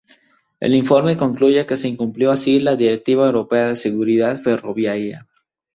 El informe concluye que se incumplió así la Directiva Europea de Seguridad Ferroviaria.